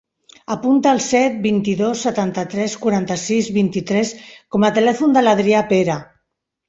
Apunta el set, vint-i-dos, setanta-tres, quaranta-sis, vint-i-tres com a telèfon de l'Adrià Pera.